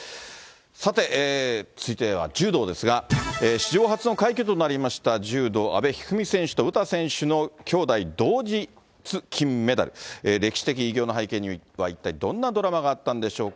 さて、続いては柔道ですが、史上初の快挙となりました柔道、阿部一二三選手と詩選手の兄妹同日金メダル、歴史的偉業の背景には一体どんなドラマがあったんでしょうか。